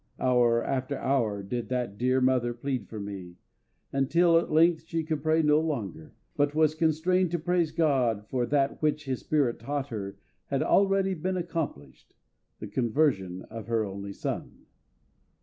Hour after hour did that dear mother plead for me, until at length she could pray no longer, but was constrained to praise GOD for that which His SPIRIT taught her had already been accomplished the conversion of her only son.